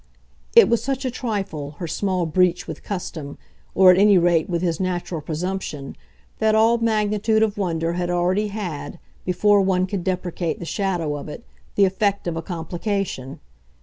It was such a trifle, her small breach with custom, or at any rate with his natural presumption, that all magnitude of wonder had already had, before one could deprecate the shadow of it, the effect of a complication.